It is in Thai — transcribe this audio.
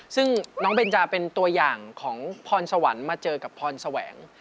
ซึ่งน้องเบนจาเป็นตัวอย่างของพรสวรรค์มาเจอกับพรแสวง